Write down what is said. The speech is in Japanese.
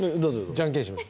じゃんけんします？